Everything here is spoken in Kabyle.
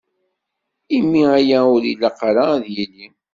Imi aya ur ilaq ara ad d-yili.